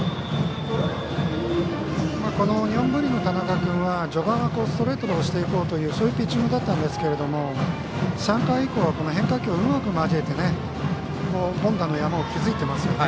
この日本文理の田中君は序盤はストレートで押していこうというそういうピッチングだったんですけど３回以降は変化球をうまく交えて凡打の山を築いていますね。